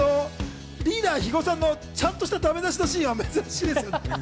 リーダー・肥後さんのちゃんとしたダメ出しのシーンは珍しいですよね。